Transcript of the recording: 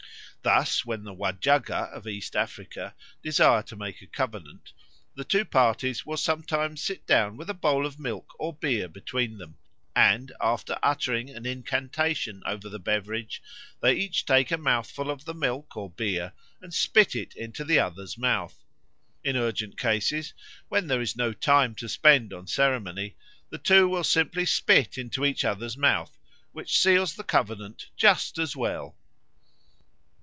Thus when the Wajagga of East Africa desire to make a covenant, the two parties will sometimes sit down with a bowl of milk or beer between them, and after uttering an incantation over the beverage they each take a mouthful of the milk or beer and spit it into the other's mouth. In urgent cases, when there is no time to spend on ceremony, the two will simply spit into each other's mouth, which seals the covenant just as well.